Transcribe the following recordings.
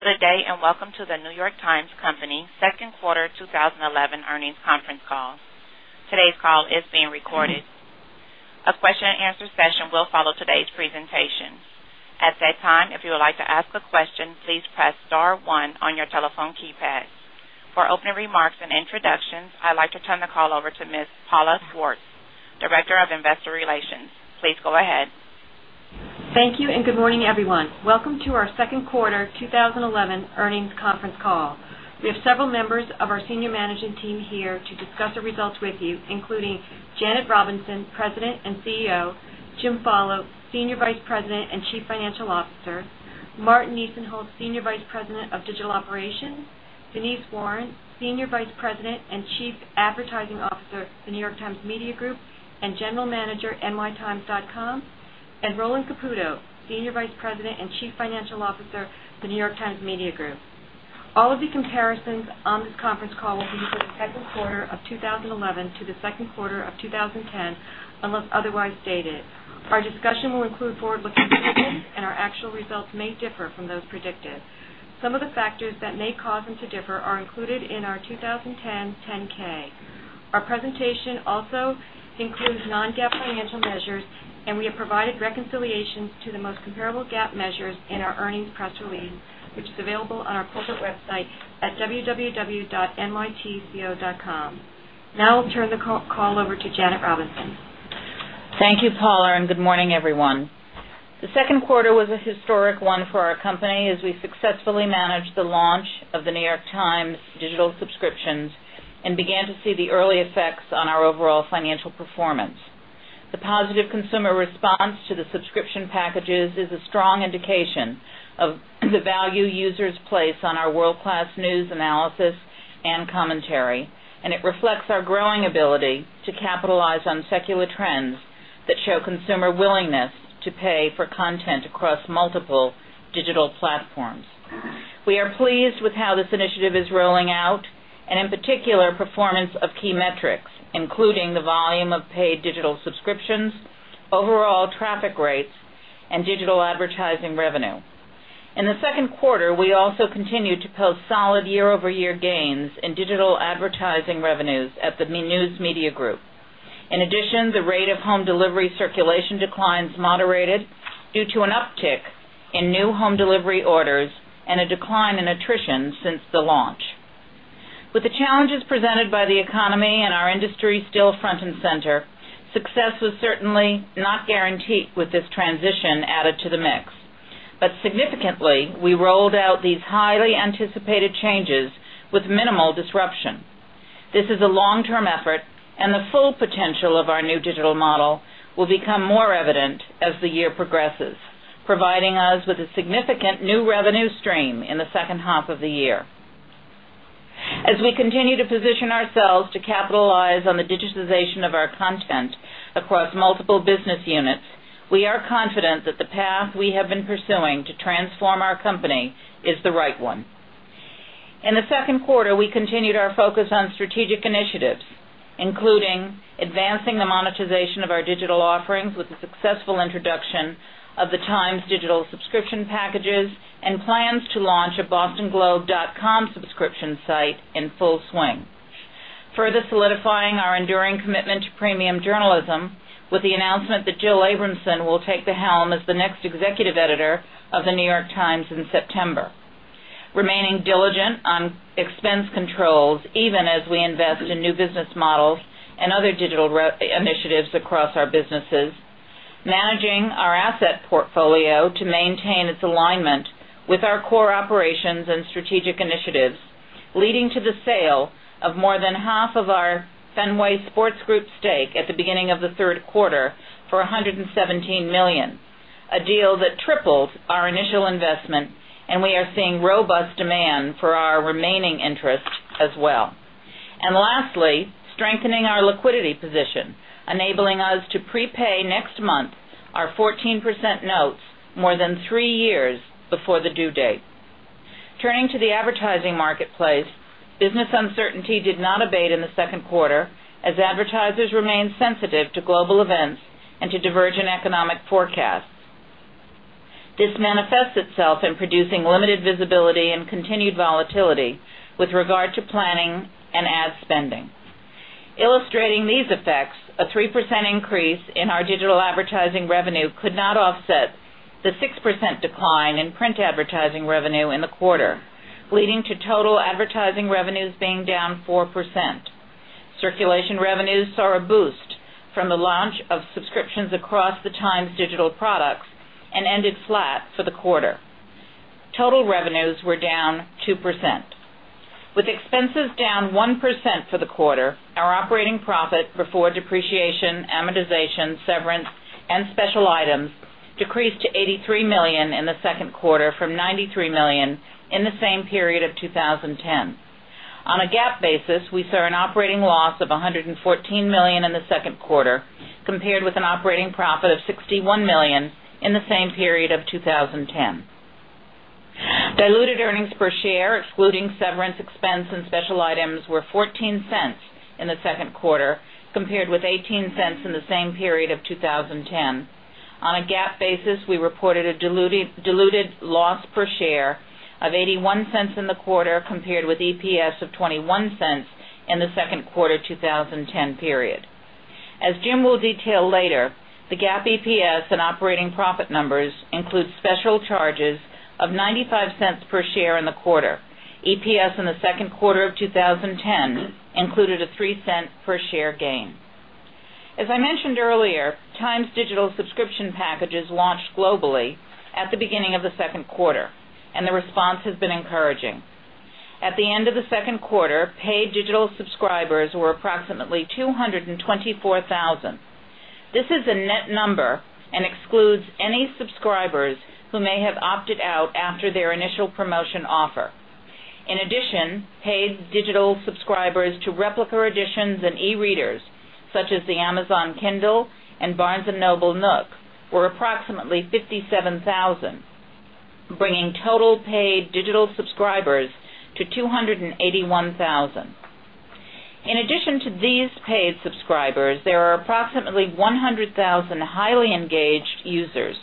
Good day, and welcome to The New York Times Company second quarter 2011 earnings conference call. Today's call is being recorded. A question and answer session will follow today's presentation. At that time, if you would like to ask a question, please press star one on your telephone keypad. For opening remarks and introductions, I'd like to turn the call over to Ms. Paula Schwartz, Director of Investor Relations. Please go ahead. Thank you, and good morning, everyone. Welcome to our second quarter 2011 earnings conference call. We have several members of our senior management team here to discuss the results with you, including Janet Robinson, President and CEO, Jim Follo, Senior Vice President and Chief Financial Officer, Martin Nisenholtz, Senior Vice President of Digital Operations, Denise Warren, Senior Vice President and Chief Advertising Officer for New York Times Media Group, and General Manager, nytimes.com, and Roland Caputo, Senior Vice President and Chief Financial Officer for The New York Times Media Group. All of the comparisons on this conference call will be for the second quarter of 2011 to the second quarter of 2010, unless otherwise stated. Our discussion will include forward-looking statements and our actual results may differ from those predicted. Some of the factors that may cause them to differ are included in our 2010 10-K. Our presentation also includes non-GAAP financial measures, and we have provided reconciliations to the most comparable GAAP measures in our earnings press release, which is available on our corporate website at www.nytco.com. Now I'll turn the call over to Janet Robinson. Thank you, Paula, and good morning, everyone. The second quarter was a historic one for our company as we successfully managed the launch of The New York Times digital subscriptions and began to see the early effects on our overall financial performance. The positive consumer response to the subscription packages is a strong indication of the value users place on our world-class news analysis and commentary, and it reflects our growing ability to capitalize on secular trends that show consumer willingness to pay for content across multiple digital platforms. We are pleased with how this initiative is rolling out and in particular, performance of key metrics, including the volume of paid digital subscriptions, overall traffic rates, and digital advertising revenue. In the second quarter, we also continued to post solid year-over-year gains in digital advertising revenues at the News Media Group. In addition, the rate of home delivery circulation declines moderated due to an uptick in new home delivery orders and a decline in attrition since the launch. With the challenges presented by the economy and our industry still front and center, success was certainly not guaranteed with this transition added to the mix. Significantly, we rolled out these highly anticipated changes with minimal disruption. This is a long-term effort and the full potential of our new digital model will become more evident as the year progresses, providing us with a significant new revenue stream in the second half of the year. As we continue to position ourselves to capitalize on the digitization of our content across multiple business units, we are confident that the path we have been pursuing to transform our company is the right one. In the second quarter, we continued our focus on strategic initiatives, including advancing the monetization of our digital offerings with the successful introduction of The Times' digital subscription packages and plans to launch a bostonglobe.com subscription site in full swing. Further solidifying our enduring commitment to premium journalism with the announcement that Jill Abramson will take the helm as the next Executive Editor of The New York Times in September. Remaining diligent on expense controls even as we invest in new business models and other digital initiatives across our businesses. Managing our asset portfolio to maintain its alignment with our core operations and strategic initiatives, leading to the sale of more than half of our Fenway Sports Group stake at the beginning of the third quarter for $117 million, a deal that triples our initial investment, and we are seeing robust demand for our remaining interest as well. Lastly, strengthening our liquidity position, enabling us to prepay next month our 14% notes more than three years before the due date. Turning to the advertising marketplace, business uncertainty did not abate in the second quarter as advertisers remained sensitive to global events and to divergent economic forecasts. This manifests itself in producing limited visibility and continued volatility with regard to planning and ad spending. Illustrating these effects, a 3% increase in our digital advertising revenue could not offset the 6% decline in print advertising revenue in the quarter, leading to total advertising revenues being down 4%. Circulation revenues saw a boost from the launch of subscriptions across The Times' digital products and ended flat for the quarter. Total revenues were down 2%. With expenses down 1% for the quarter, our operating profit before depreciation, amortization, severance, and special items decreased to $83 million in the second quarter from $93 million in the same period of 2010. On a GAAP basis, we saw an operating loss of $114 million in the second quarter compared with an operating profit of $61 million in the same period of 2010. Diluted earnings per share, excluding severance expense and special items were $0.14 in the second quarter compared with $0.18 in the same period of 2010. On a GAAP basis, we reported a diluted loss per share of $0.81 in the quarter compared with EPS of $0.21 in the second quarter 2010 period. As Jim will detail later, the GAAP EPS and operating profit numbers include special charges of $0.95 per share in the quarter. EPS in the second quarter of 2010 included a $0.3 per share gain. As I mentioned earlier, Times Digital subscription packages launched globally at the beginning of the second quarter, and the response has been encouraging. At the end of the second quarter, paid digital subscribers were approximately 224,000. This is a net number and excludes any subscribers who may have opted out after their initial promotion offer. In addition, paid digital subscribers to replica editions and e-readers such as the Amazon Kindle and Barnes & Noble NOOK were approximately 57,000, bringing total paid digital subscribers to 281,000. In addition to these paid subscribers, there are approximately 100,000 highly engaged users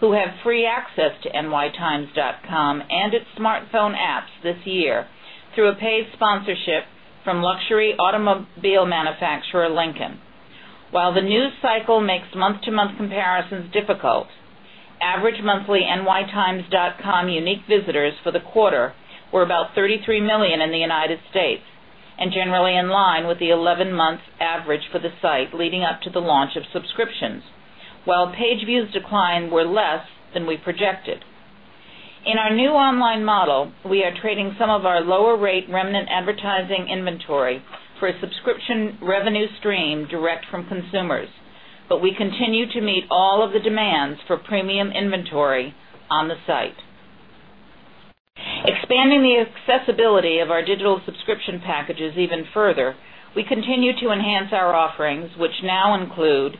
who have free access to nytimes.com and its smartphone apps this year through a paid sponsorship from luxury automobile manufacturer Lincoln. While the news cycle makes month-to-month comparisons difficult, average monthly nytimes.com unique visitors for the quarter were about 33 million in the United States and generally in line with the 11-month average for the site leading up to the launch of subscriptions. While page views decline was less than we projected. In our new online model, we are trading some of our lower rate remnant advertising inventory for a subscription revenue stream direct from consumers. We continue to meet all of the demands for premium inventory on the site. Expanding the accessibility of our digital subscription packages even further, we continue to enhance our offerings, which now include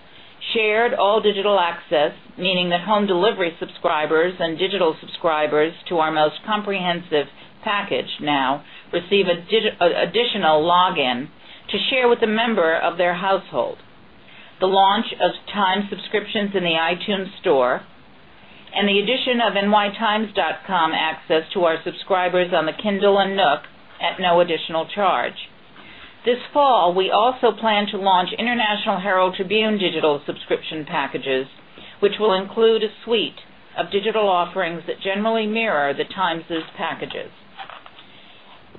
shared all digital access, meaning that home delivery subscribers and digital subscribers to our most comprehensive package now receive an additional login to share with a member of their household. The launch of Times subscriptions in the iTunes Store, and the addition of nytimes.com access to our subscribers on the Kindle and NOOK at no additional charge. This fall, we also plan to launch International Herald Tribune digital subscription packages, which will include a suite of digital offerings that generally mirror The Times' packages.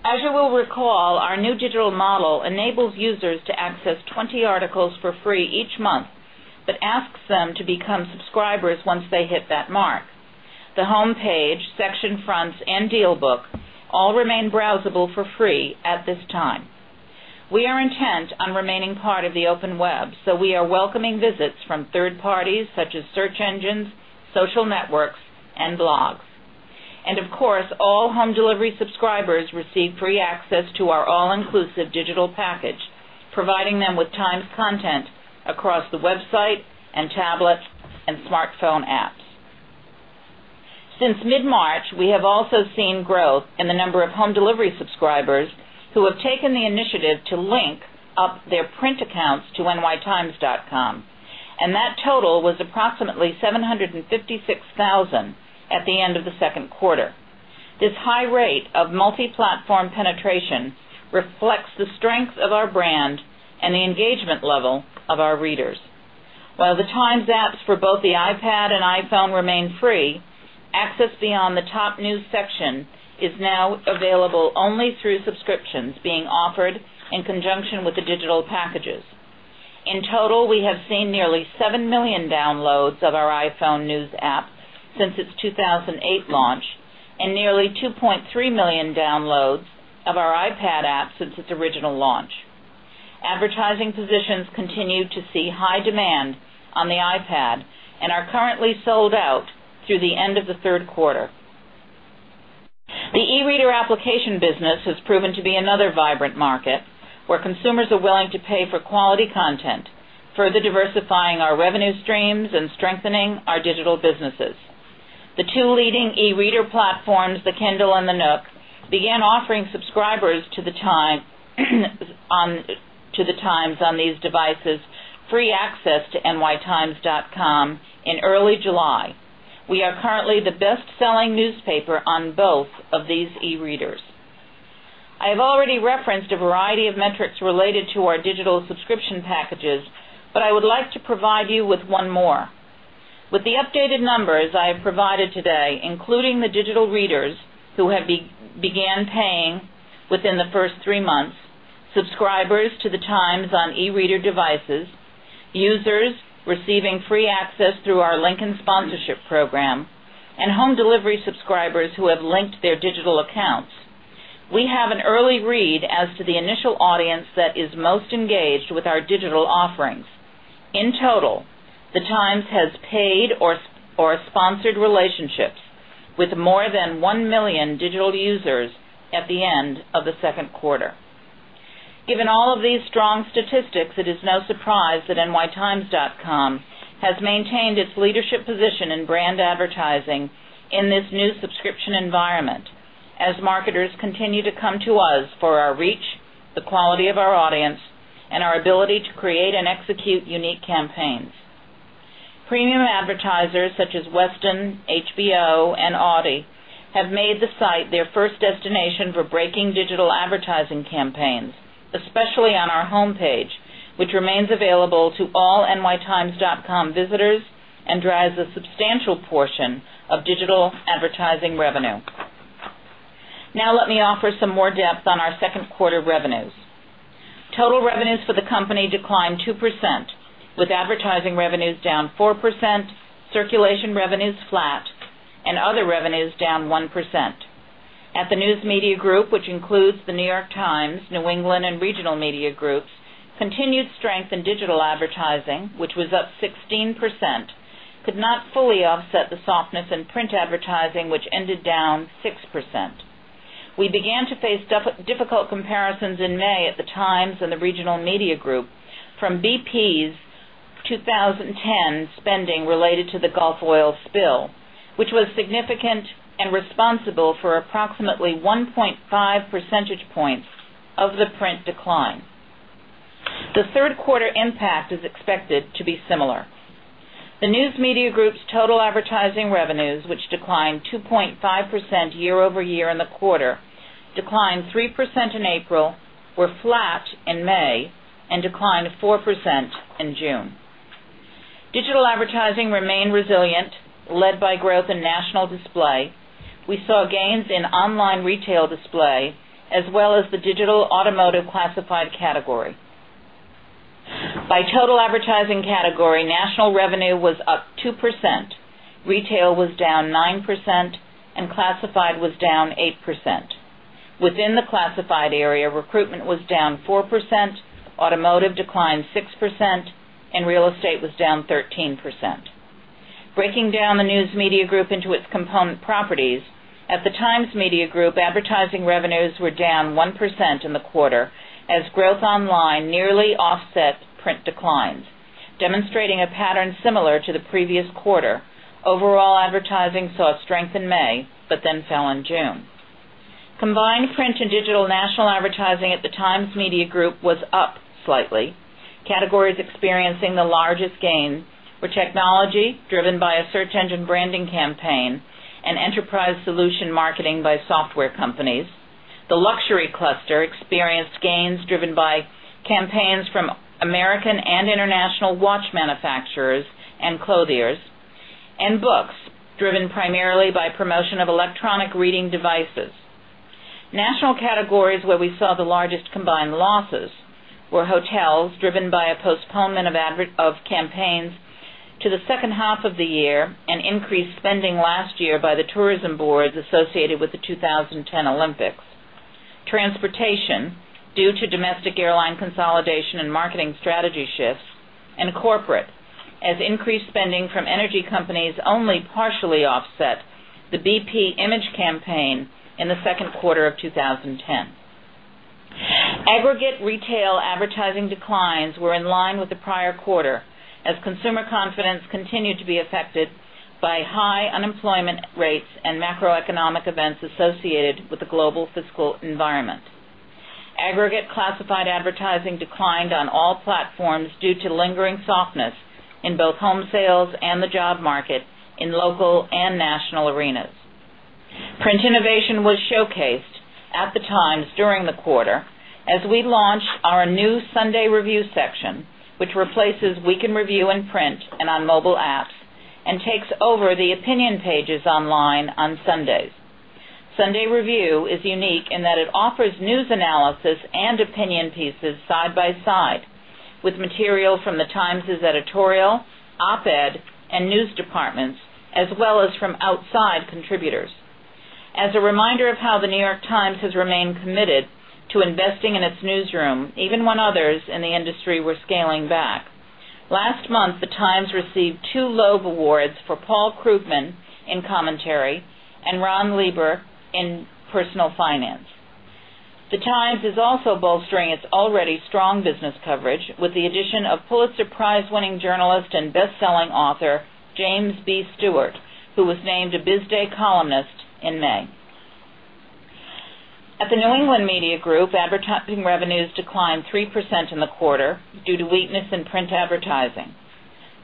As you will recall, our new digital model enables users to access 20 articles for free each month, but asks them to become subscribers once they hit that mark. The homepage, section fronts, and DealBook all remain browsable for free at this time. We are intent on remaining part of the open web, so we are welcoming visits from third parties such as search engines, social networks, and blogs. Of course, all home delivery subscribers receive free access to our all-inclusive digital package, providing them with Times content across the website and tablet and smartphone apps. Since mid-March, we have also seen growth in the number of home delivery subscribers who have taken the initiative to link up their print accounts to nytimes.com, and that total was approximately 756,000 at the end of the second quarter. This high rate of multi-platform penetration reflects the strength of our brand and the engagement level of our readers. While The Times apps for both the iPad and iPhone remain free, access beyond the top news section is now available only through subscriptions being offered in conjunction with the digital packages. In total, we have seen nearly 7 million downloads of our iPhone news app since its 2008 launch and nearly 2.3 million downloads of our iPad app since its original launch. Advertising positions continue to see high demand on the iPad and are currently sold out through the end of the third quarter. The e-reader application business has proven to be another vibrant market where consumers are willing to pay for quality content, further diversifying our revenue streams and strengthening our digital businesses. The two leading e-reader platforms, the Kindle and the NOOK, began offering subscribers to The Times on these devices free access to nytimes.com in early July. We are currently the best-selling newspaper on both of these e-readers. I have already referenced a variety of metrics related to our digital subscription packages, but I would like to provide you with one more. With the updated numbers I have provided today, including the digital readers who have begun paying within the first three months, subscribers to The Times on e-reader devices, users receiving free access through our Lincoln sponsorship program, and home delivery subscribers who have linked their digital accounts. We have an early read as to the initial audience that is most engaged with our digital offerings. In total, The Times has paid or sponsored relationships with more than 1 million digital users at the end of the second quarter. Given all of these strong statistics, it is no surprise that nytimes.com has maintained its leadership position in brand advertising in this new subscription environment. As marketers continue to come to us for our reach, the quality of our audience, and our ability to create and execute unique campaigns. Premium advertisers such as Westin, HBO, and Audi have made the site their first destination for breaking digital advertising campaigns, especially on our homepage, which remains available to all nytimes.com visitors and drives a substantial portion of digital advertising revenue. Now let me offer some more depth on our second quarter revenues. Total revenues for the company declined 2%, with advertising revenues down 4%, circulation revenues flat, and other revenues down 1%. At the News Media Group, which includes The New York Times, New England Media Group, and Regional Media Group, continued strength in digital advertising, which was up 16%, could not fully offset the softness in print advertising, which ended down 6%. We began to face difficult comparisons in May at The Times and the Regional Media Group from BP's 2010 spending related to the Gulf oil spill, which was significant and responsible for approximately 1.5 percentage points of the print decline. The third quarter impact is expected to be similar. The News Media Group's total advertising revenues, which declined 2.5% year-over-year in the quarter, declined 3% in April, were flat in May, and declined 4% in June. Digital advertising remained resilient, led by growth in national display. We saw gains in online retail display as well as the digital automotive classified category. By total advertising category, national revenue was up 2%, retail was down 9%, and classified was down 8%. Within the classified area, recruitment was down 4%, automotive declined 6%, and real estate was down 13%. Breaking down the News Media Group into its component properties, at The New York Times Media Group, advertising revenues were down 1% in the quarter as growth online nearly offset print declines, demonstrating a pattern similar to the previous quarter. Overall advertising saw strength in May, but then fell in June. Combined print and digital national advertising at The New York Times Media Group was up slightly. Categories experiencing the largest gains were technology, driven by a search engine branding campaign, and enterprise solution marketing by software companies. The luxury cluster experienced gains driven by campaigns from American and international watch manufacturers and clothiers. Books driven primarily by promotion of electronic reading devices. National categories where we saw the largest combined losses were hotels driven by a postponement of campaigns to the second half of the year, and increased spending last year by the tourism boards associated with the 2010 Olympics. Transportation, due to domestic airline consolidation and marketing strategy shifts, and corporate, as increased spending from energy companies only partially offset the BP image campaign in the second quarter of 2010. Aggregate retail advertising declines were in line with the prior quarter as consumer confidence continued to be affected by high unemployment rates and macroeconomic events associated with the global fiscal environment. Aggregate classified advertising declined on all platforms due to lingering softness in both home sales and the job market in local and national arenas. Print innovation was showcased at The Times during the quarter as we launched our new Sunday Review section, which replaces Week in Review in print and on mobile apps and takes over the opinion pages online on Sundays. Sunday Review is unique in that it offers news analysis and opinion pieces side by side with material from The Times' editorial, op-ed, and news departments, as well as from outside contributors, as a reminder of how The New York Times has remained committed to investing in its newsroom, even when others in the industry were scaling back. Last month, The Times received two Gerald Loeb Awards for Paul Krugman in commentary and Ron Lieber in personal finance. The Times is also bolstering its already strong business coverage with the addition of Pulitzer Prize-winning journalist and best-selling author James B. Stewart, who was named a Business Day columnist in May. At the New England Media Group, advertising revenues declined 3% in the quarter due to weakness in print advertising.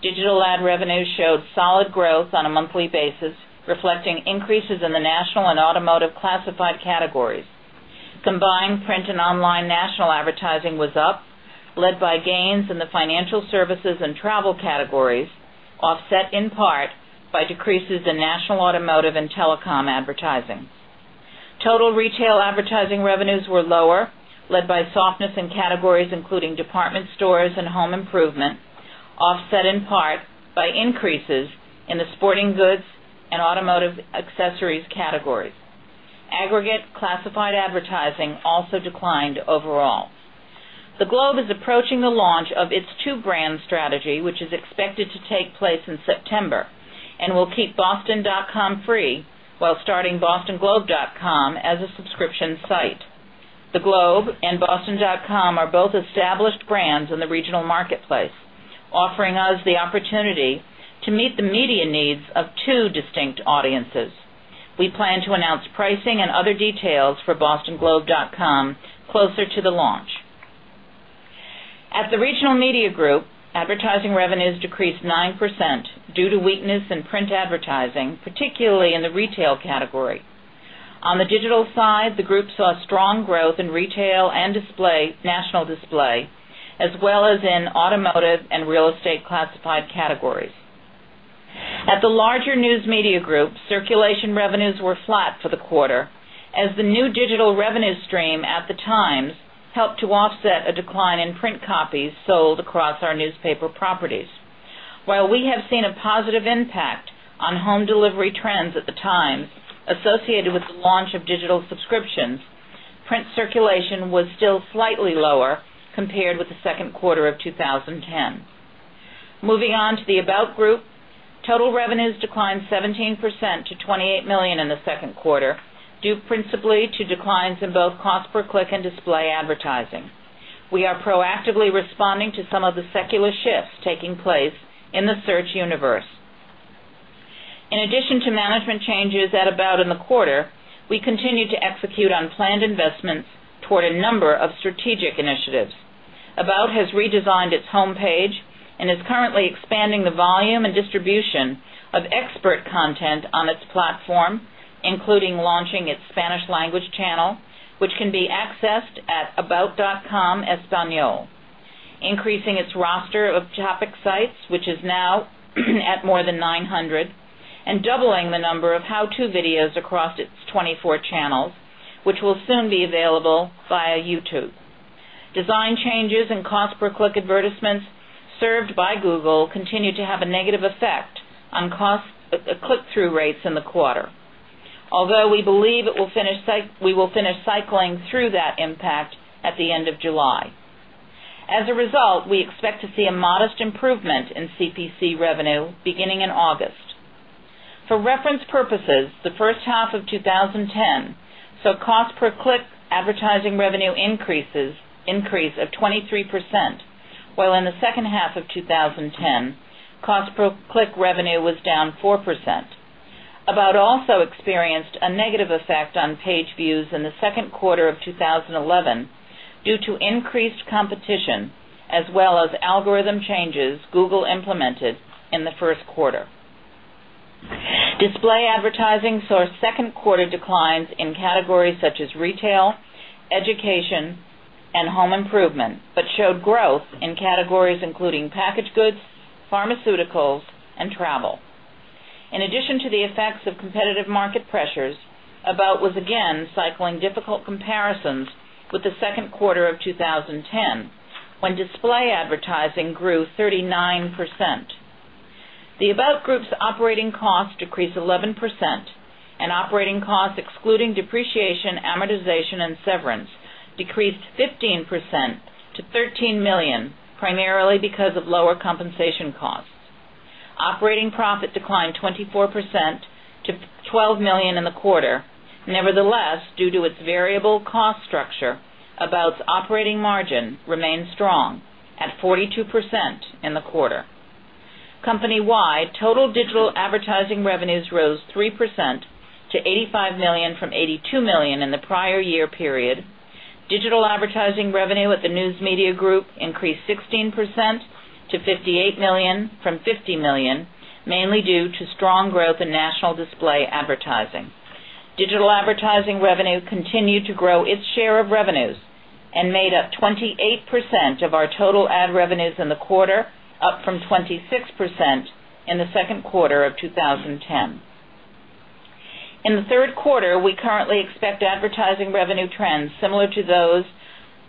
Digital ad revenues showed solid growth on a monthly basis, reflecting increases in the national and automotive classified categories. Combined print and online national advertising was up, led by gains in the financial services and travel categories, offset in part by decreases in national automotive and telecom advertising. Total retail advertising revenues were lower, led by softness in categories including department stores and home improvement, offset in part by increases in the sporting goods and automotive accessories categories. Aggregate classified advertising also declined overall. The Globe is approaching the launch of its two-brand strategy, which is expected to take place in September and will keep boston.com free while starting bostonglobe.com as a subscription site. The Globe and boston.com are both established brands in the regional marketplace, offering us the opportunity to meet the media needs of two distinct audiences. We plan to announce pricing and other details for bostonglobe.com closer to the launch. At the Regional Media Group, advertising revenues decreased 9% due to weakness in print advertising, particularly in the retail category. On the digital side, the group saw strong growth in retail and national display, as well as in automotive and real estate classified categories. At the larger News Media Group, circulation revenues were flat for the quarter as the new digital revenue stream at The Times helped to offset a decline in print copies sold across our newspaper properties. While we have seen a positive impact on home delivery trends at The Times associated with the launch of digital subscriptions, print circulation was still slightly lower compared with the second quarter of 2010. Moving on to the About Group, total revenues declined 17% to $28 million in the second quarter, due principally to declines in both cost per click and display advertising. We are proactively responding to some of the secular shifts taking place in the search universe. In addition to management changes at About in the quarter, we continued to execute on planned investments toward a number of strategic initiatives. About has redesigned its homepage and is currently expanding the volume and distribution of expert content on its platform, including launching its Spanish language channel, which can be accessed at about.com/espanol, increasing its roster of topic sites, which is now at more than 900, and doubling the number of how-to videos across its 24 channels, which will soon be available via YouTube. Design changes and cost per click advertisements served by Google continued to have a negative effect on click-through rates in the quarter. Although we believe we will finish cycling through that impact at the end of July. As a result, we expect to see a modest improvement in CPC revenue beginning in August. For reference purposes, the first half of 2010, cost per click advertising revenue increase of 23%, while in the second half of 2010, cost per click revenue was down 4%. About also experienced a negative effect on page views in the second quarter of 2011 due to increased competition, as well as algorithm changes Google implemented in the first quarter. Display advertising saw second quarter declines in categories such as retail, education, and home improvement, but showed growth in categories including packaged goods, pharmaceuticals, and travel. In addition to the effects of competitive market pressures, About was again cycling difficult comparisons with the second quarter of 2010, when display advertising grew 39%. The About Group's operating costs decreased 11%, and operating costs, excluding depreciation, amortization, and severance, decreased 15% to $13 million, primarily because of lower compensation costs. Operating profit declined 24% to $12 million in the quarter. Nevertheless, due to its variable cost structure, About's operating margin remained strong at 42% in the quarter. Company-wide, total digital advertising revenues rose 3% to $85 million from $82 million in the prior year period. Digital advertising revenue at the News Media Group increased 16% to $58 million from $50 million, mainly due to strong growth in national display advertising. Digital advertising revenue continued to grow its share of revenues and made up 28% of our total ad revenues in the quarter, up from 26% in the second quarter of 2010. In the third quarter, we currently expect advertising revenue trends similar to those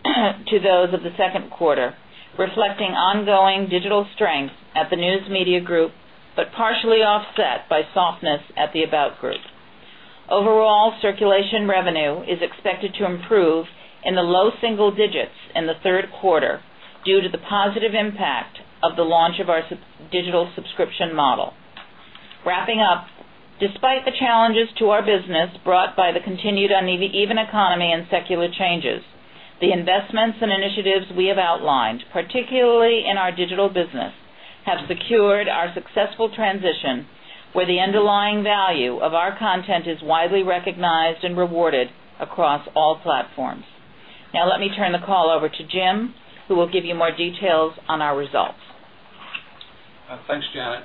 of the second quarter, reflecting ongoing digital strength at the News Media Group, but partially offset by softness at the About Group. Overall, circulation revenue is expected to improve in the low single digits in the third quarter due to the positive impact of the launch of our digital subscription model. Wrapping up, despite the challenges to our business brought by the continued uneven economy and secular changes, the investments and initiatives we have outlined, particularly in our digital business, have secured our successful transition where the underlying value of our content is widely recognized and rewarded across all platforms. Now let me turn the call over to Jim, who will give you more details on our results. Thanks, Janet.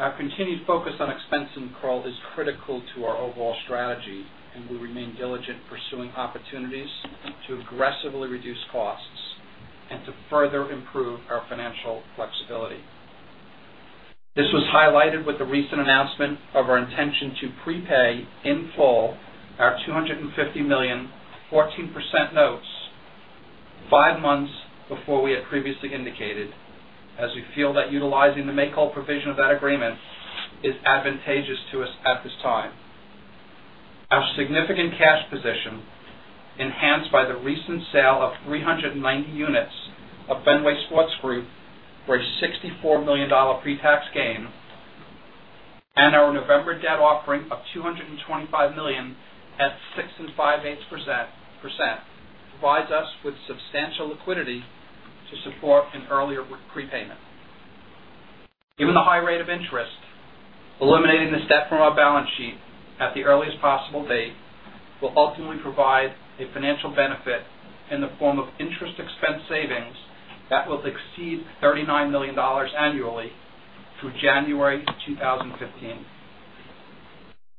Our continued focus on expense control is critical to our overall strategy, and we remain diligent in pursuing opportunities to aggressively reduce costs and to further improve our financial flexibility. This was highlighted with the recent announcement of our intention to prepay in full our $250 million 14% notes five months before we had previously indicated, as we feel that utilizing the make-whole provision of that agreement is advantageous to us at this time. Our significant cash position, enhanced by the recent sale of 390 units of Fenway Sports Group $4 million pre-tax gain, and our November debt offering of $225 million at 6 5/8% provides us with substantial liquidity to support an earlier prepayment. Given the high rate of interest, eliminating this debt from our balance sheet at the earliest possible date will ultimately provide a financial benefit in the form of interest expense savings that will exceed $39 million annually through January 2015.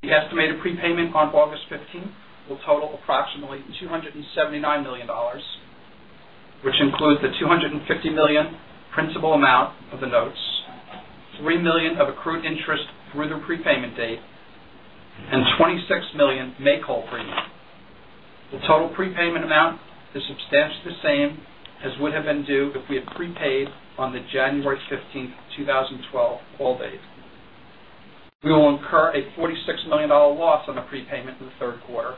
The estimated prepayment on August 15 will total approximately $279 million, which includes the $250 million principal amount of the notes, $3 million of accrued interest through the prepayment date, and $26 million make-whole premium. The total prepayment amount is substantially the same as would have been due if we had prepaid on the January 15th, 2012 call date. We will incur a $46 million loss on the prepayment in the third quarter,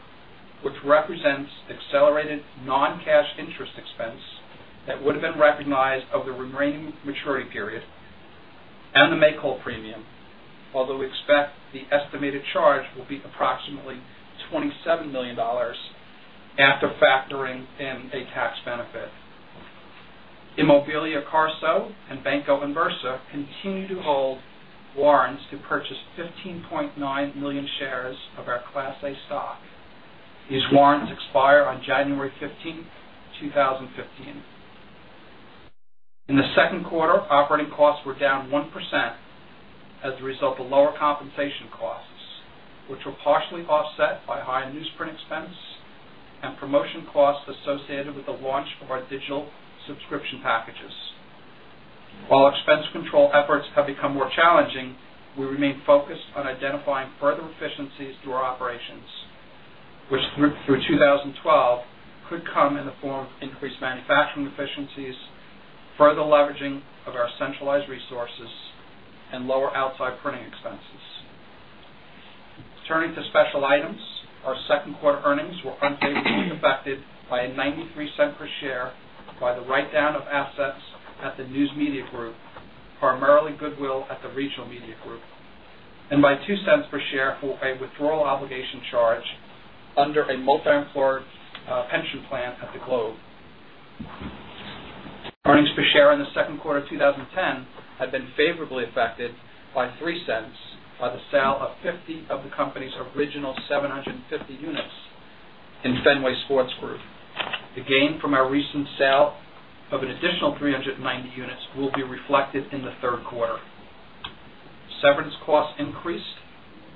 which represents accelerated non-cash interest expense that would have been recognized over the remaining maturity period and the make-whole premium, although we expect the estimated charge will be approximately $27 million after factoring in a tax benefit. Inmobiliaria Carso and Banco Inbursa continue to hold warrants to purchase 15.9 million shares of our Class A stock. These warrants expire on January 15, 2015. In the second quarter, operating costs were down 1% as a result of lower compensation costs, which were partially offset by higher newsprint expense and promotion costs associated with the launch of our digital subscription packages. While expense control efforts have become more challenging, we remain focused on identifying further efficiencies through our operations, which through 2012 could come in the form of increased manufacturing efficiencies, further leveraging of our centralized resources, and lower outside printing expenses. Turning to special items, our second quarter earnings were unfavorably affected by a $0.93 per share by the write-down of assets at the News Media Group, primarily goodwill at the Regional Media Group, and by $0.02 per share for a withdrawal obligation charge under a multi-employer pension plan at the Globe. Earnings per share in the second quarter 2010 had been favorably affected by $0.03 by the sale of 50 of the company's original 750 units in Fenway Sports Group. The gain from our recent sale of an additional 390 units will be reflected in the third quarter. Severance costs increased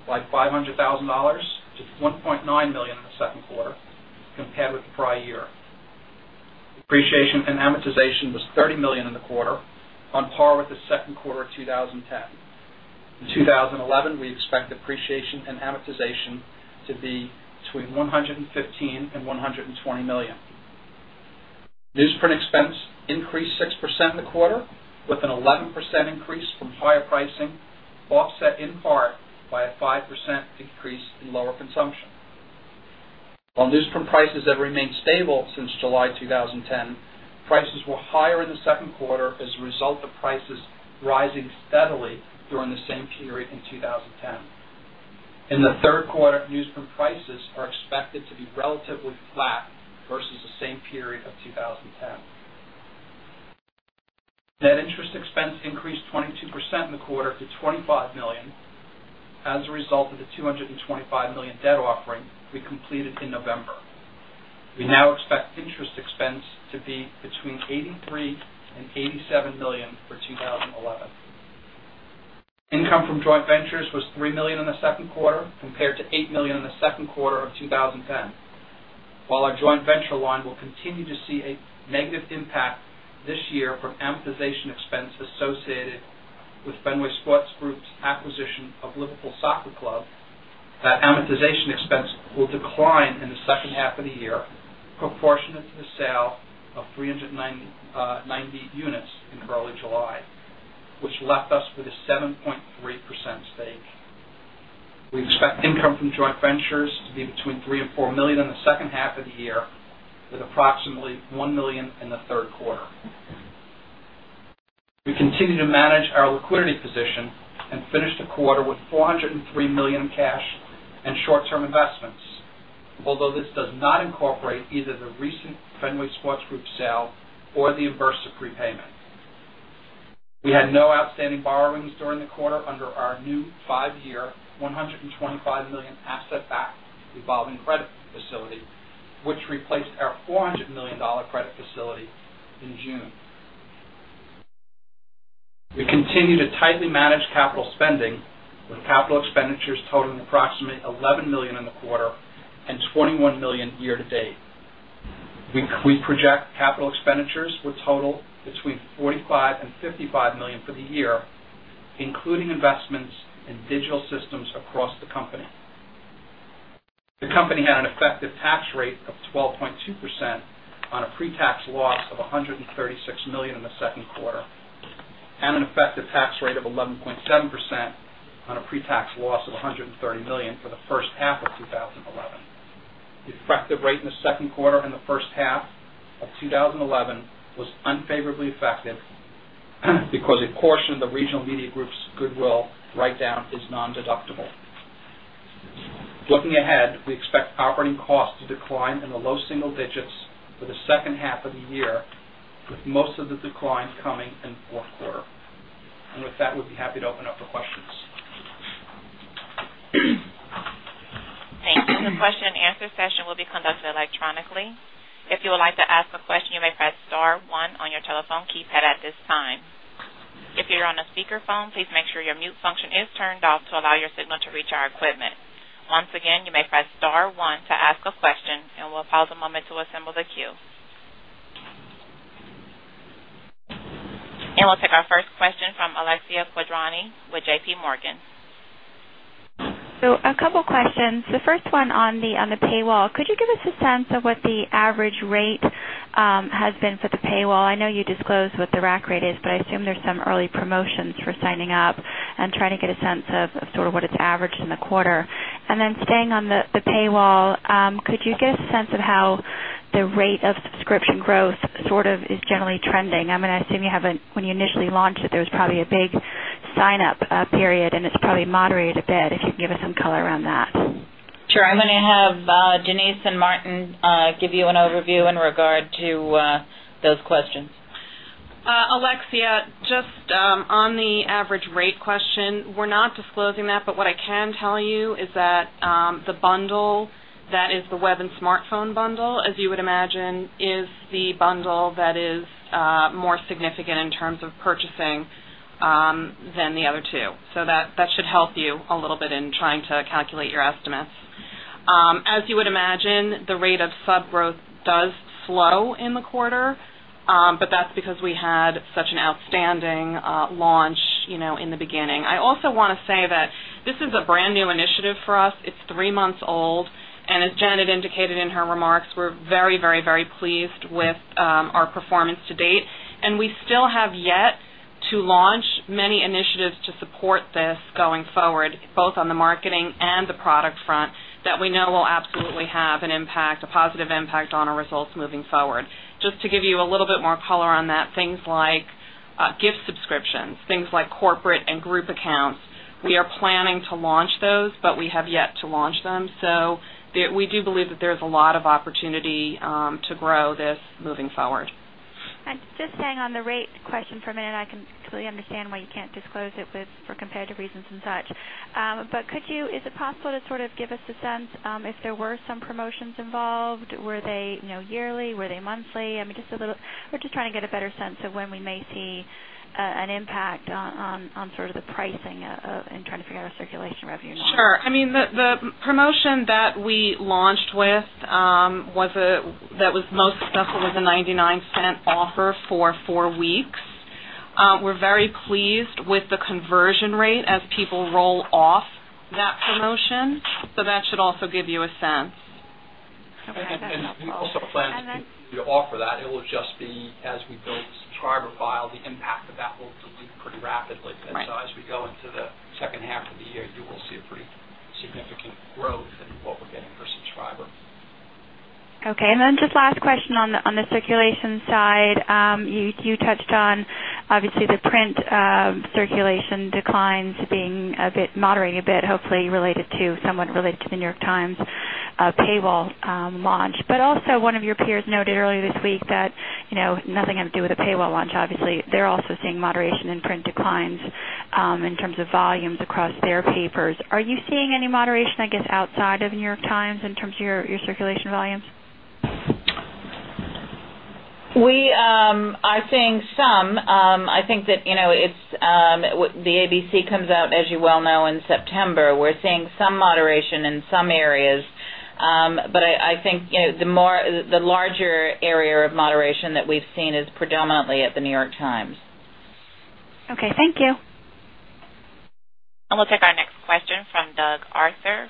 by $500,000 to $1.9 million in the second quarter compared with prior year. Depreciation and amortization was $30 million in the quarter, on par with the second quarter of 2010. In 2011, we expect depreciation and amortization to be between $115 million and $120 million. Newsprint expense increased 6% in the quarter, with an 11% increase from higher pricing offset in part by a 5% decrease in lower consumption. While newsprint prices have remained stable since July 2010, prices were higher in the second quarter as a result of prices rising steadily during the same period in 2010. In the third quarter, newsprint prices are expected to be relatively flat versus the same period of 2010. Net interest expense increased 22% in the quarter to $25 million as a result of the $225 million debt offering we completed in November. We now expect interest expense to be between $83 million and $87 million for 2011. Income from joint ventures was $3 million in the second quarter, compared to $8 million in the second quarter of 2010. While our joint venture line will continue to see a negative impact this year from amortization expense associated with Fenway Sports Group's acquisition of Liverpool Football Club, that amortization expense will decline in the second half of the year, proportionate to the sale of 390 units in early July, which left us with a 7.3% stake. We expect income from joint ventures to be between $3 million and $4 million in the second half of the year, with approximately $1 million in the third quarter. We continue to manage our liquidity position and finished the quarter with $403 million in cash and short-term investments. Although this does not incorporate either the recent Fenway Sports Group sale or the Inbursa prepayment. We had no outstanding borrowings during the quarter under our new five-year, $125 million asset-backed revolving credit facility, which replaced our $400 million credit facility in June. We continue to tightly manage capital spending, with capital expenditures totaling approximately $11 million in the quarter and $21 million year-to-date. We project capital expenditures will total between $45 million and $55 million for the year, including investments in digital systems across the company. The company had an effective tax rate of 12.2% on a pre-tax loss of $136 million in the second quarter, and an effective tax rate of 11.7% on a pre-tax loss of $130 million for the first half of 2011. The effective rate in the second quarter and the first half of 2011 was unfavorably affected because a portion of the Regional Media Group's goodwill write-down is nondeductible. Looking ahead, we expect operating costs to decline in the low single digits for the second half of the year, with most of the decline coming in the fourth quarter. With that, we'd be happy to open up for questions. Thank you. The question-and-answer session will be conducted electronically. If you would like to ask a question, you may press star one on your telephone keypad at this time. If you're on a speakerphone, please make sure your mute function is turned off to allow your signal to reach our equipment. Once again, you may press star one to ask a question, and we'll pause a moment to assemble the queue. We'll take our first question from Alexia Quadrani with JPMorgan. A couple questions. The first one on the paywall. Could you give us a sense of what the average rate has been for the paywall? I know you disclosed what the rack rate is, but I assume there's some early promotions for signing up. I'm trying to get a sense of sort of what it's averaged in the quarter. And then staying on the paywall, could you give a sense of how the rate of subscription growth sort of is generally trending? I'm going to assume when you initially launched it, there was probably a big sign-up period, and it's probably moderated a bit, if you could give us some color around that. Sure. I'm going to have Denise and Martin give you an overview in regard to those questions. Alexia, just on the average rate question, we're not disclosing that, but what I can tell you is that the bundle that is the web and smartphone bundle, as you would imagine, is the bundle that is more significant in terms of purchasing than the other two. That should help you a little bit in trying to calculate your estimates. As you would imagine, the rate of sub growth does slow in the quarter, but that's because we had such an outstanding launch in the beginning. I also want to say that this is a brand-new initiative for us. It's three months old, and as Janet indicated in her remarks, we're very pleased with our performance to date, and we still have yet to launch many initiatives to support this going forward, both on the marketing and the product front, that we know will absolutely have an impact, a positive impact, on our results moving forward. Just to give you a little bit more color on that, things like gift subscriptions, things like corporate and group accounts. We are planning to launch those, but we have yet to launch them. We do believe that there's a lot of opportunity to grow this moving forward. Just staying on the rate question for a minute, I can completely understand why you can't disclose it for competitive reasons and such. Is it possible to sort of give us a sense if there were some promotions involved, were they yearly? Were they monthly? We're just trying to get a better sense of when we may see an impact on sort of the pricing and trying to figure out a circulation revenue. Sure. The promotion that we launched with that was most successful was a $0.99 offer for four weeks. We're very pleased with the conversion rate as people roll off that promotion, so that should also give you a sense. Okay. That's helpful. We also plan to offer that. It will just be as we build the subscriber file, the impact of that will deplete pretty rapidly. Right. As we go into the second half of the year, you will see a pretty significant growth in what we're getting per subscriber. Okay. Just last question on the circulation side. You touched on, obviously, the print circulation declines being a bit moderate, a bit hopefully somewhat related to The New York Times' paywall launch. Also one of your peers noted earlier this week that, nothing having to do with the paywall launch, obviously, they're also seeing moderation in print declines in terms of volumes across their papers. Are you seeing any moderation, I guess, outside of The New York Times in terms of your circulation volumes? We are seeing some. I think that the ABC comes out, as you well know, in September. We're seeing some moderation in some areas. I think the larger area of moderation that we've seen is predominantly at The New York Times. Okay. Thank you. We'll take our next question from Doug Arthur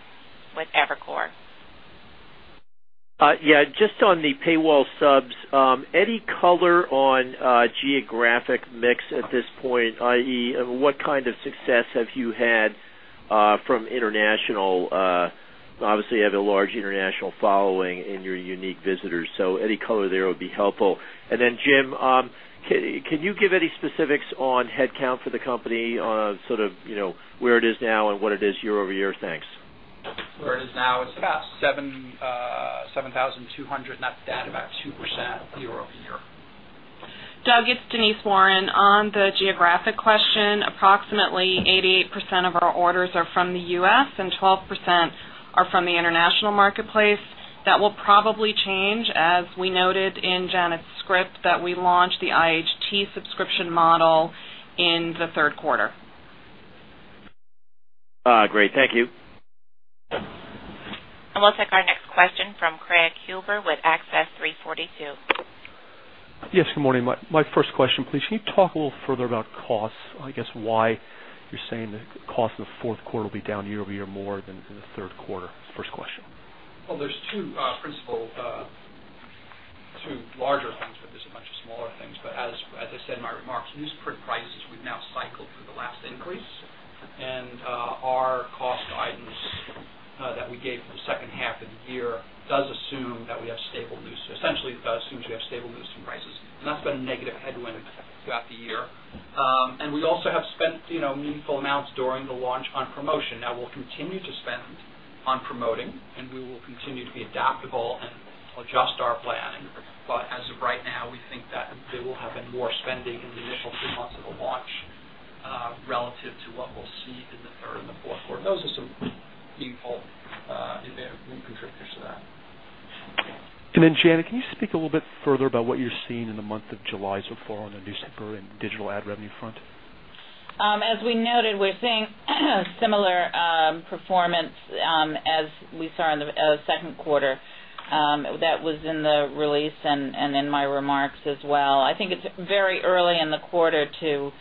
with Evercore. Yeah. Just on the paywall subs, any color on geographic mix at this point, i.e., what kind of success have you had from international? Obviously, you have a large international following in your unique visitors, so any color there would be helpful. And then, Jim, can you give any specifics on headcount for the company, on sort of where it is now and what it is year-over-year? Thanks. Where it is now, it's about 7,200, and that's about 2% year-over-year. Doug, it's Denise Warren. On the geographic question, approximately 88% of our orders are from the U.S., and 12% are from the international marketplace. That will probably change, as we noted in Janet's script, that we launched the IHT subscription model in the third quarter. Great. Thank you. We'll take our next question from Craig Huber with Access 342. Yes. Good morning. My first question, please. Can you talk a little further about costs? I guess why you're saying the cost of the fourth quarter will be down year-over-year more than in the third quarter? First question. Well, there's two larger things, but there's a bunch of smaller things. As I said in my remarks, newsprint prices would now cycle to the last increase. Our cost guidance that we gave for the second half of the year does assume that we have stable newsprint, essentially assumes we have stable newsprint prices, and that's been a negative headwind throughout the year. We also have spent meaningful amounts during the launch on promotion. Now, we'll continue to spend on promoting, and we will continue to be adaptable and adjust our planning. As of right now, we think that there will have been more spending in the initial three months of the launch relative to what we'll see in the third and the fourth quarter. Those are some meaningful expense contributors to that. Janet, can you speak a little bit further about what you're seeing in the month of July so far on the newsprint or in digital ad revenue front? As we noted, we're seeing similar performance as we saw in the second quarter that was in the release and in my remarks as well. I think it's very early in the quarter to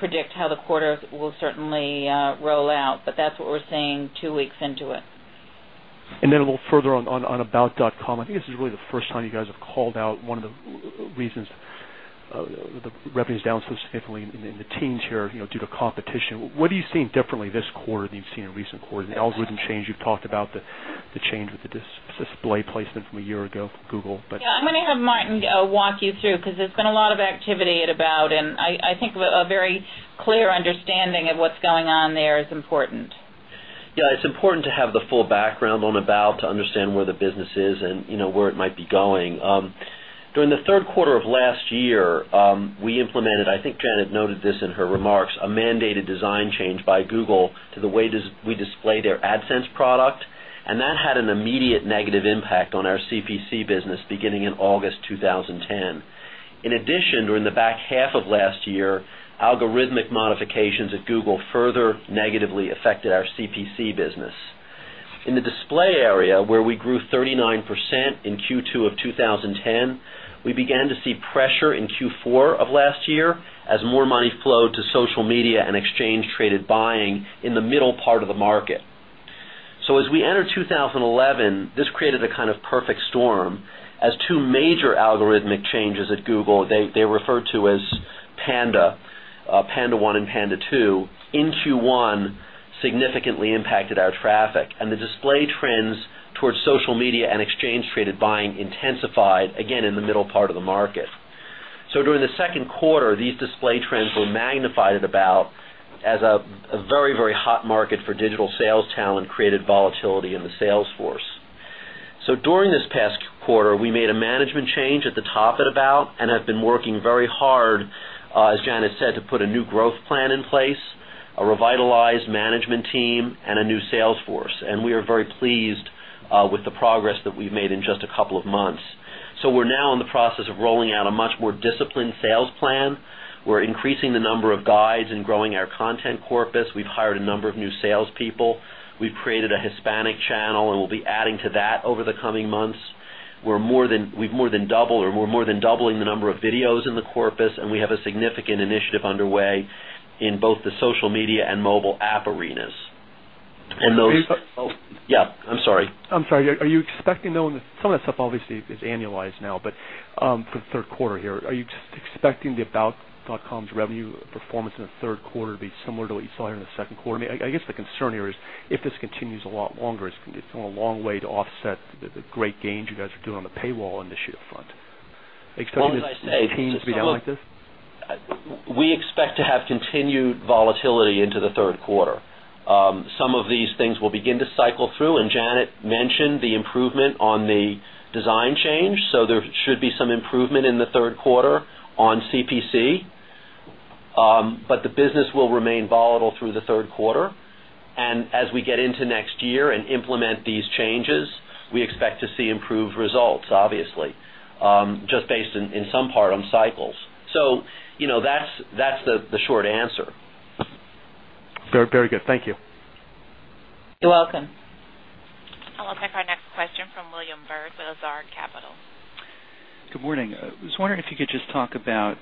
predict how the quarter will certainly roll out. That's what we're seeing two weeks into it. Then a little further on about.com. I think this is really the first time you guys have called out one of the reasons the revenue is down so significantly in the teens here due to competition. What are you seeing differently this quarter that you've seen in recent quarters? The algorithm change, you've talked about the change with the display placement from a year ago, Google, but- Yeah, I'm going to have Martin walk you through, because there's been a lot of activity at About, and I think a very clear understanding of what's going on there is important. Yeah, it's important to have the full background on About to understand where the business is and where it might be going. During the third quarter of last year, we implemented, I think Janet noted this in her remarks, a mandated design change by Google to the way we display their AdSense product, and that had an immediate negative impact on our CPC business beginning in August 2010. In addition, during the back half of last year, algorithmic modifications at Google further negatively affected our CPC business. In the display area, where we grew 39% in Q2 of 2010, we began to see pressure in Q4 of last year as more money flowed to social media and exchange-traded buying in the middle part of the market. As we enter 2011, this created a kind of perfect storm as two major algorithmic changes at Google, they refer to as Panda 1 and Panda 2, in Q1 significantly impacted our traffic. The display trends towards social media and exchange-traded buying intensified again in the middle part of the market. During the second quarter, these display trends were magnified at About as a very, very hot market for digital sales talent created volatility in the sales force. During this past quarter, we made a management change at the top at About and have been working very hard, as Janet said, to put a new growth plan in place, a revitalized management team, and a new sales force. We are very pleased with the progress that we've made in just a couple of months. We're now in the process of rolling out a much more disciplined sales plan. We're increasing the number of guides and growing our content corpus. We've hired a number of new salespeople. We've created a Hispanic channel, and we'll be adding to that over the coming months. We're more than doubling the number of videos in the corpus, and we have a significant initiative underway in both the social media and mobile app arenas. Are you? Yeah, I'm sorry. I'm sorry. Are you expecting, though, some of that stuff obviously is annualized now, but for the third quarter here, are you expecting the about.com's revenue performance in the third quarter to be similar to what you saw here in the second quarter? I guess the concern here is if this continues a lot longer, it's a long way to offset the great gains you guys are doing on the paywall initiative front- Well, as I say. ...team to be down like this? We expect to have continued volatility into the third quarter. Some of these things will begin to cycle through, and Janet mentioned the improvement on the design change. There should be some improvement in the third quarter on CPC. The business will remain volatile through the third quarter. As we get into next year and implement these changes, we expect to see improved results, obviously just based in some part on cycles. That's the short answer. Very good. Thank you. You're welcome. I'll take our next question from William Bird with Lazard Capital. Good morning. I was wondering if you could just talk about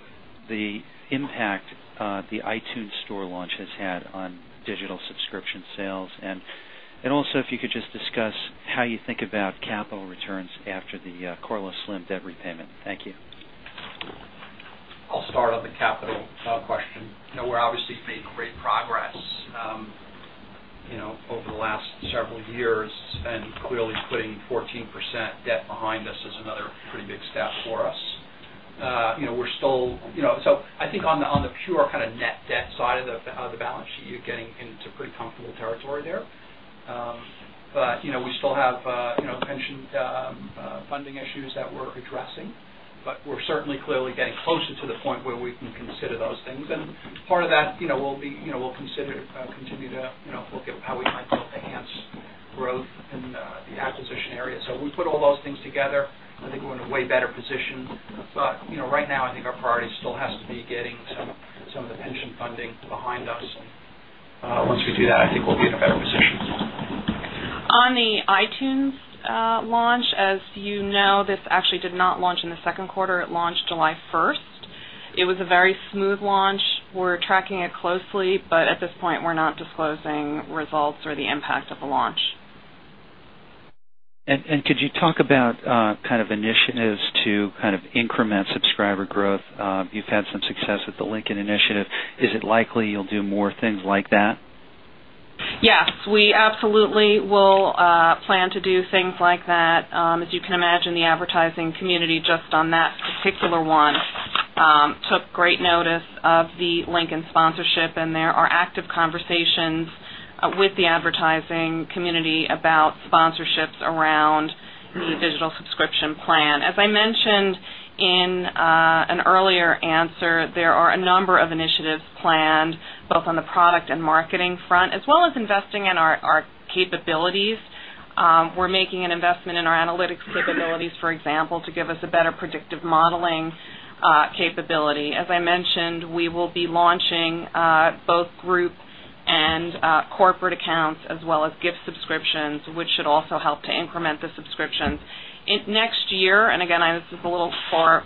the impact the iTunes Store launch has had on digital subscription sales. Also if you could just discuss how you think about capital returns after the Carlos Slim debt repayment. Thank you. I'll start on the capital question. We're obviously making great progress over the last several years, and clearly putting 14% debt behind us is another pretty big step for us. I think on the pure kind of net debt side of the balance sheet, you're getting into pretty comfortable territory there. We still have pension funding issues that we're addressing, but we're certainly clearly getting closer to the point where we can consider those things. Part of that we'll continue to look at how we might be able to enhance growth in the acquisition area. We put all those things together. I think we're in a way better position. Right now, I think our priority still has to be getting some of the pension funding behind us, and once we do that, I think we'll be in a better position. On the iTunes launch, as you know, this actually did not launch in the second quarter. It launched July 1st. It was a very smooth launch. We're tracking it closely, but at this point, we're not disclosing results or the impact of the launch. Could you talk about initiatives to increment subscriber growth? You've had some success with the Lincoln initiative. Is it likely you'll do more things like that? Yes, we absolutely will plan to do things like that. As you can imagine, the advertising community, just on that particular one, took great notice of the Lincoln sponsorship, and there are active conversations with the advertising community about sponsorships around the digital subscription plan. As I mentioned in an earlier answer, there are a number of initiatives planned both on the product and marketing front, as well as investing in our capabilities. We're making an investment in our analytics capabilities, for example, to give us a better predictive modeling capability. As I mentioned, we will be launching both group and corporate accounts, as well as gift subscriptions, which should also help to increment the subscriptions. Next year, and again, this is a little too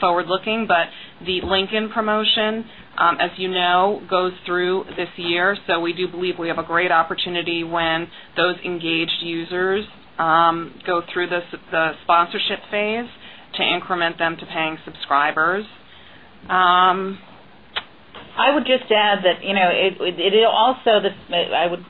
forward-looking, but the Lincoln promotion, as you know, goes through this year. We do believe we have a great opportunity when those engaged users go through the sponsorship phase to increment them to paying subscribers. I would just add that it also,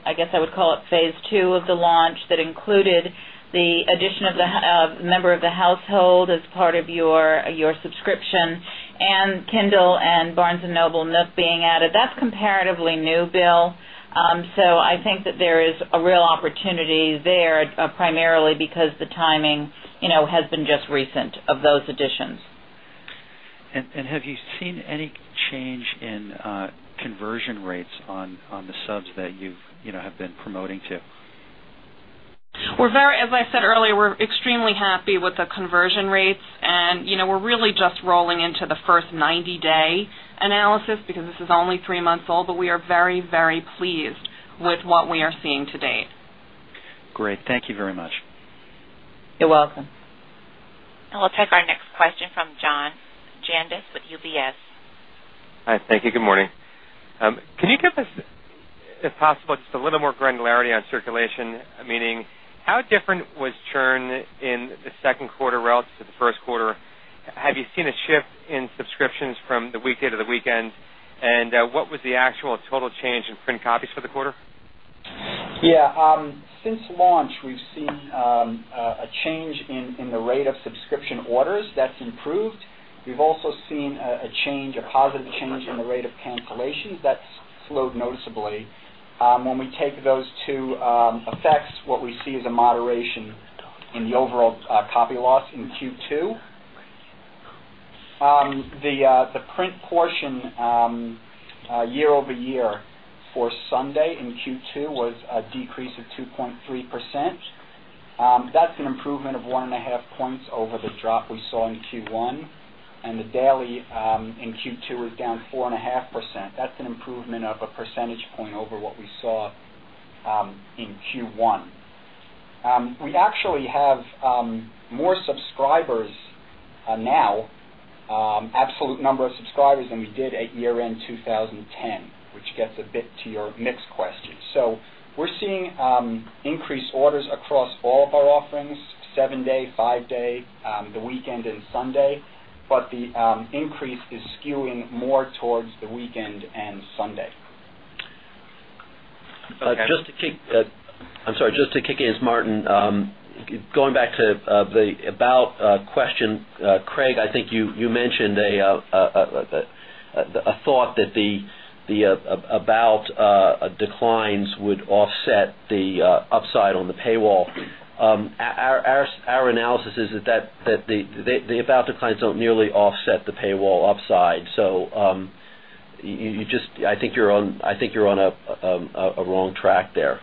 I guess I would call it phase II of the launch that included the addition of member of the household as part of your subscription and Kindle and Barnes & Noble NOOK being added. That's comparatively new, Bill. I think that there is a real opportunity there, primarily because the timing has been just recent of those additions. Have you seen any change in conversion rates on the subs that you have been promoting to? As I said earlier, we're extremely happy with the conversion rates, and we're really just rolling into the first 90-day analysis because this is only three months old, but we are very pleased with what we are seeing to date. Great. Thank you very much. You're welcome. We'll take our next question from John Janedis with UBS. Hi. Thank you. Good morning. Can you give us, if possible, just a little more granularity on circulation? Meaning, how different was churn in the second quarter relative to the first quarter? Have you seen a shift in subscriptions from the weekday to the weekend? What was the actual total change in print copies for the quarter? Yeah. Since launch, we've seen a change in the rate of subscription orders. That's improved. We've also seen a positive change in the rate of cancellations. That's slowed noticeably. When we take those two effects, what we see is a moderation in the overall copy loss in Q2. The print portion year-over-year for Sunday in Q2 was a decrease of 2.3%. That's an improvement of 1.5 points over the drop we saw in Q1, and the daily in Q2 was down 4.5%. That's an improvement of a percentage point over what we saw in Q1. We actually have more subscribers now, absolute number of subscribers than we did at year-end 2010, which gets a bit to your mix question. We're seeing increased orders across all of our offerings, seven-day, five-day, the weekend, and Sunday, but the increase is skewing more towards the weekend and Sunday. Okay. I'm sorry. Just to jump in, it's Martin. Going back to the About question, Craig, I think you mentioned a thought that the About declines would offset the upside on the paywall. Our analysis is that the About declines don't nearly offset the paywall upside. I think you're on a wrong track there.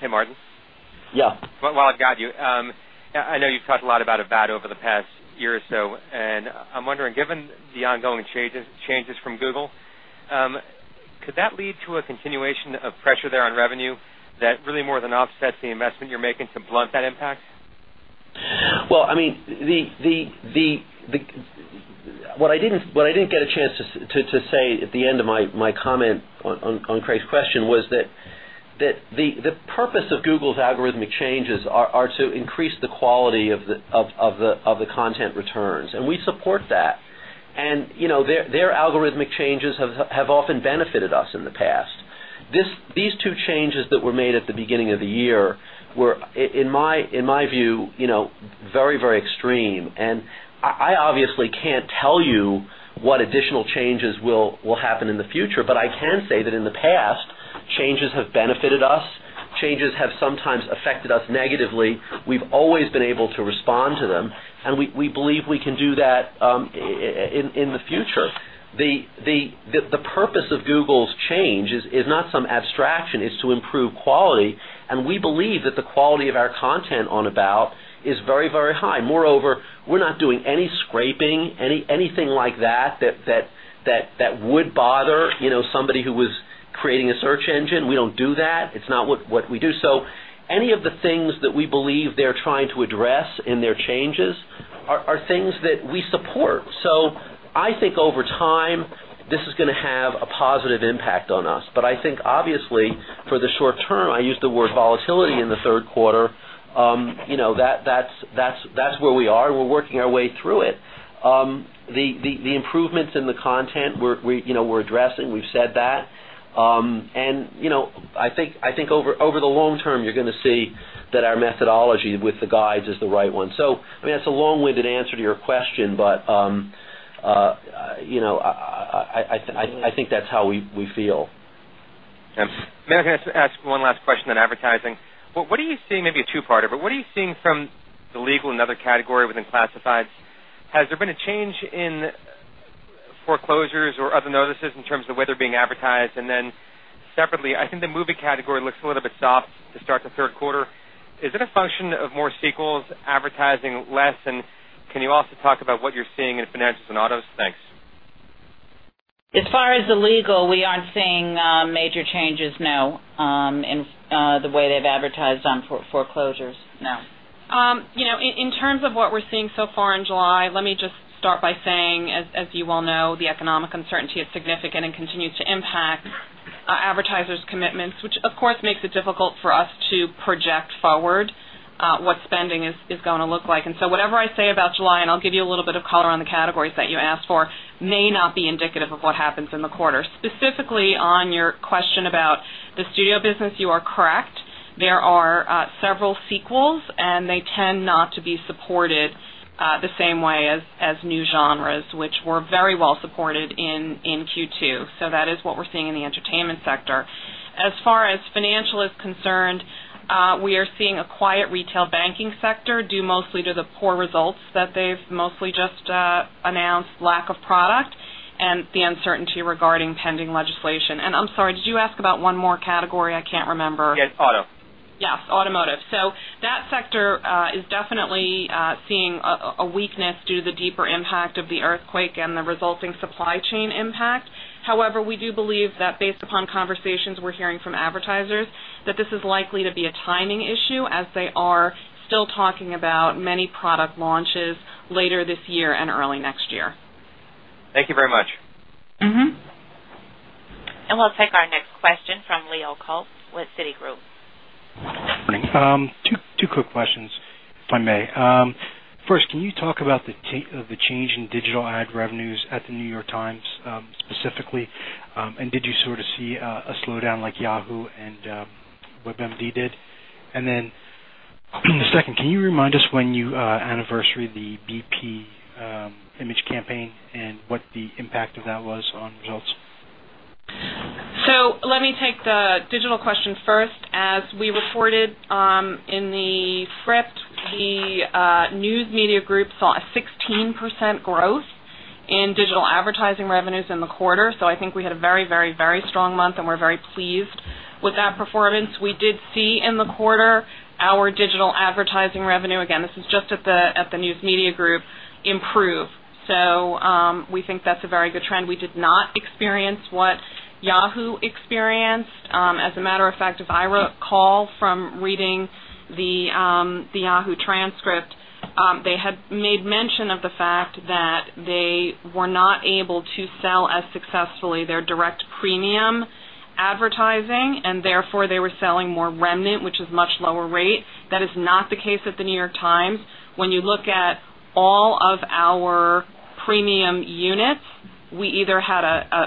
Hey, Martin. Yeah. While I've got you, I know you've talked a lot about About over the past year or so, and I'm wondering, given the ongoing changes from Google, could that lead to a continuation of pressure there on revenue that really more than offsets the investment you're making to blunt that impact? Well, what I didn't get a chance to say at the end of my comment on Craig's question was that the purpose of Google's algorithmic changes are to increase the quality of the content returns, and we support that. Their algorithmic changes have often benefited us in the past. These two changes that were made at the beginning of the year were, in my view very extreme. I obviously can't tell you what additional changes will happen in the future, but I can say that in the past, changes have benefited us. Changes have sometimes affected us negatively. We've always been able to respond to them, and we believe we can do that in the future. The purpose of Google's change is not some abstraction. It's to improve quality, and we believe that the quality of our content on About is very high. Moreover, we're not doing any scraping, anything like that would bother somebody who was creating a search engine. We don't do that. It's not what we do. Any of the things they're trying to address in their changes are things that we support. I think over time, this is going to have a positive impact on us. I think obviously for the short term, I use the word volatility in the third quarter, that's where we are. We're working our way through it, the improvements in the content we're addressing. We've said that. I think over the long term, you're going to see that our methodology with the guides is the right one. That's a long-winded answer to your question, but I think that's how we feel. Yes. May I ask one last question on advertising? What are you seeing, maybe a two-parter. What are you seeing from the legal and other category within classifieds? Has there been a change in foreclosures or other notices in terms of the way they're being advertised? And then separately, I think the movie category looks a little bit soft to start the third quarter. Is it a function of more sequels advertising less? And can you also talk about what you're seeing in financials and autos? Thanks. As far as the legal, we aren't seeing major changes, no, in the way they've advertised on foreclosures. No. In terms of what we're seeing so far in July, let me just start by saying, as you well know, the economic uncertainty is significant and continues to impact advertisers' commitments, which of course, makes it difficult for us to project forward what spending is going to look like. Whatever I say about July, and I'll give you a little bit of color on the categories that you asked for, may not be indicative of what happens in the quarter. Specifically, on your question about the studio business, you are correct. There are several sequels, and they tend not to be supported the same way as new genres, which were very well supported in Q2. That is what we're seeing in the entertainment sector. As far as financial is concerned, we are seeing a quiet retail banking sector due mostly to the poor results that they've mostly just announced lack of product and the uncertainty regarding pending legislation. I'm sorry, did you ask about one more category? I can't remember. Yes. Auto. Yes, automotive. That sector is definitely seeing a weakness due to the deeper impact of the earthquake and the resulting supply chain impact. However, we do believe that based upon conversations we're hearing from advertisers, that this is likely to be a timing issue as they are still talking about many product launches later this year and early next year. Thank you very much. Mm-hmm. We'll take our next question from Leo Kulp with Citigroup. Morning. Two quick questions, if I may. First, can you talk about the change in digital ad revenues at The New York Times, specifically, and did you sort of see a slowdown like Yahoo and WebMD did? The second, can you remind us when you anniversary the BP image campaign and what the impact of that was on results? Let me take the digital question first. As we reported in the script, the News Media Group saw a 16% growth in digital advertising revenues in the quarter. I think we had a very strong month, and we're very pleased with that performance. We did see in the quarter our digital advertising revenue, again, this is just at the News Media Group, improve. We think that's a very good trend. We did not experience what Yahoo experienced. As a matter of fact, if I recall from reading the Yahoo transcript, they had made mention of the fact that they were not able to sell as successfully their direct premium advertising, and therefore they were selling more remnant, which is much lower rate. That is not the case at The New York Times. When you look at all of our premium units, we either had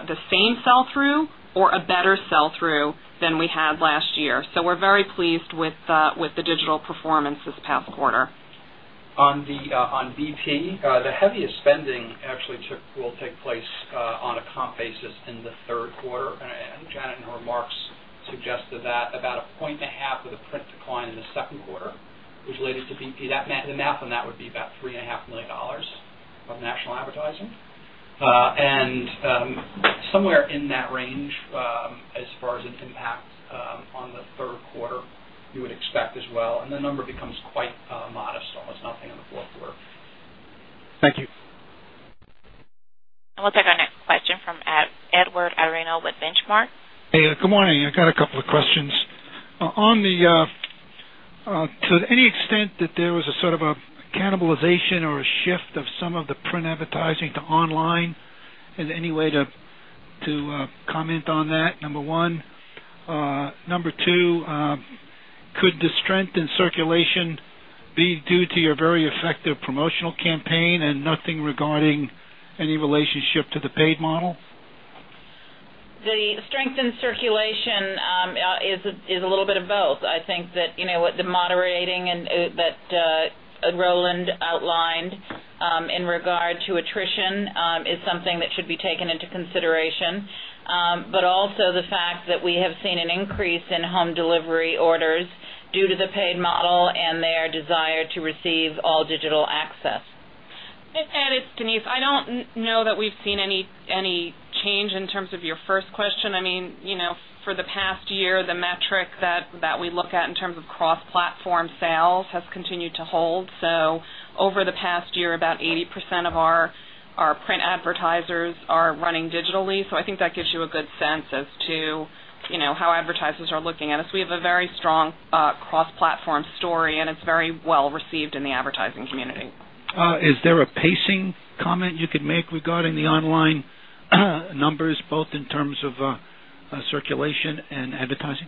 the same sell-through or a better sell-through than we had last year. We're very pleased with the digital performance this past quarter. On BP, the heaviest spending actually will take place on a comp basis in the third quarter. Janet, in her remarks, suggested that about 1.5 points of the print decline in the second quarter was related to BP. The math on that would be about $3.5 million of national advertising. Somewhere in that range, as far as an impact on the third quarter, you would expect as well. The number becomes quite modest, almost nothing in the fourth quarter. Thank you. We'll take our next question from Edward Atorino with Benchmark. Hey, good morning. I got a couple of questions. To any extent that there was a sort of a cannibalization or a shift of some of the print advertising to online, is there any way to comment on that? Number 1. Number 2, could the strength in circulation be due to your very effective promotional campaign and nothing regarding any relationship to the paid model? The strength in circulation is a little bit of both. I think that what the moderation that Roland outlined in regard to attrition is something that should be taken into consideration. Also the fact that we have seen an increase in home delivery orders due to the paid model and their desire to receive all digital access. Ed, it's Denise. I don't know that we've seen any change in terms of your first question. For the past year, the metric that we look at in terms of cross-platform sales has continued to hold. Over the past about 80% of our print advertisers are running digitally. I think that gives you a good sense as to how advertisers are looking at us. We have a very strong cross-platform story, and it's very well-received in the advertising community. Is there a pacing comment you could make regarding the online numbers, both in terms of circulation and advertising?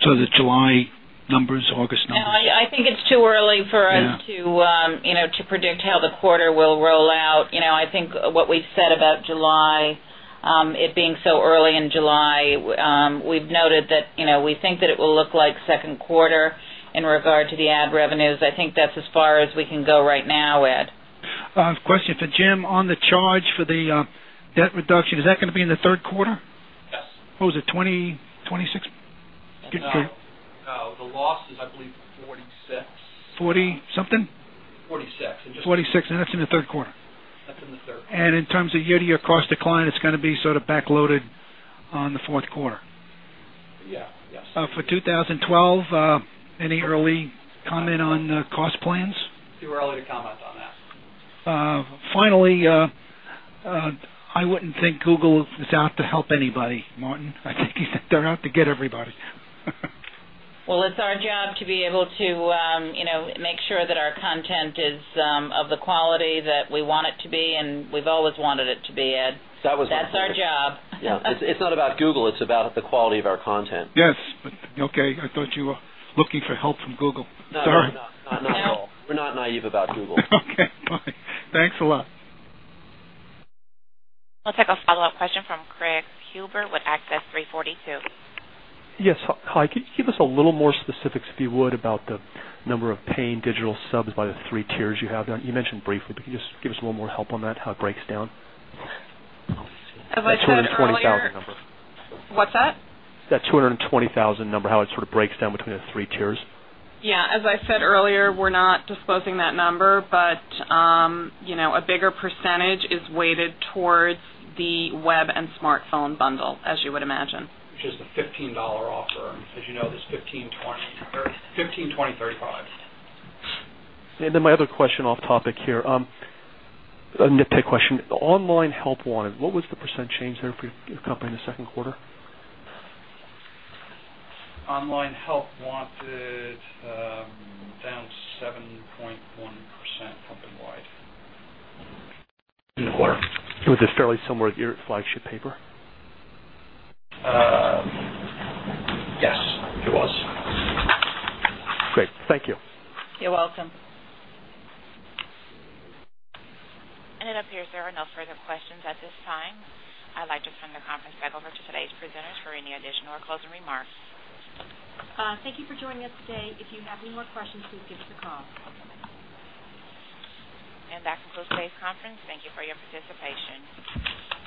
The July numbers, August numbers. No, I think it's too early for us- Yeah. ...to predict how the quarter will roll out. I think what we've said about July, it being so early in July, we've noted that we think that it will look like second quarter in regard to the ad revenues. I think that's as far as we can go right now, Ed. A question for Jim on the charge for the debt reduction. Is that going to be in the third quarter? Yes. What was it, $20 million, $26 million? No. The loss is, I believe, $46 million. $40 million something? $46 million in just- $46 million, and that's in the third quarter. That's in the third quarter. In terms of year-to-year cost decline, it's going to be sort of back-loaded on the fourth quarter. Yeah, yes. For 2012, any early comment on the cost plans? Too early to comment on that. Finally, I wouldn't think Google is out to help anybody, Martin. I think you said they're out to get everybody. Well, it's our job to be able to make sure that our content is of the quality that we want it to be, and we've always wanted it to be, Ed. That was- That's our job. Yeah. It's not about Google. It's about the quality of our content. Yes, but okay. I thought you were looking for help from Google. Sorry. No, no. Not at all. We're not naive about Google. Okay. Bye. Thanks a lot. We'll take a follow-up question from Craig Huber with Access 342. Yes. Hi. Could you give us a little more specifics, if you would, about the number of paying digital subs by the three tiers you have there? You mentioned briefly, but can you just give us a little more help on that, how it breaks down? As I said earlier- That 220,000 number. What's that? That 220,000 number, how it sort of breaks down between the three tiers? Yeah. As I said earlier, we're not disclosing that number, but a bigger percentage is weighted towards the web and smartphone bundle, as you would imagine. Which is the $15 offer. As you know, there's $15, $20, $35. My other question, off topic here, a nitpick question. Online help wanted, what was the percent change there for your company in the second quarter? Online help wanted, down 7.1% company-wide in the quarter. Was this fairly similar at your flagship paper? Yes. It was. Great. Thank you. You're welcome. It appears there are no further questions at this time. I'd like to turn the conference back over to today's presenters for any additional or closing remarks. Thank you for joining us today. If you have any more questions, please give us a call. That concludes today's conference. Thank you for your participation.